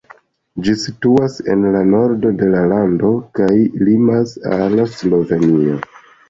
Ĝi situas en la nordo de la lando kaj limas al Slovenio.